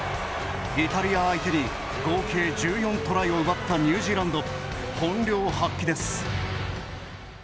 イタリア相手に合計１４トライを奪ったニュージーランド、本領発揮です。